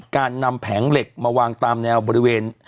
การนำแผงเหล็กมาวางตามแนวบริเวณ